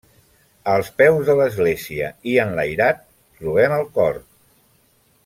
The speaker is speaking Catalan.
Als peus de l'església i enlairat, trobem el cor.